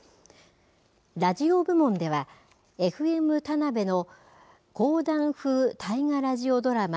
ラジオ部門では、ＦＭＴＡＮＡＢＥの講談風大河ラジオドラマ